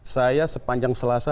saya sepanjang selasa